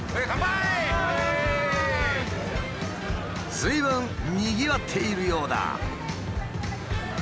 ずいぶんにぎわっているようだ。